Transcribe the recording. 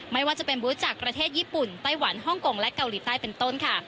ไม่ว่าจะเป็นบูธจากประเทศญี่ปุ่นไต้หวันฮ่องกงและเกาหลีใต้เป็นต้นค่ะ